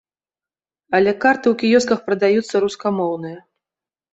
Але карты ў кіёсках прадаюцца рускамоўныя.